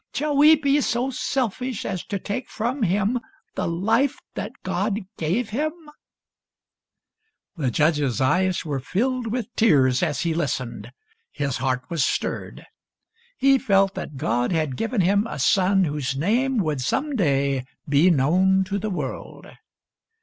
'' Shall we be so selfish as to take from him the life that God gave him ?" The judge's eyes were filled with tears as he listened. His heart was stirred. He felt that God had given him a son whose name would some day be known to the world.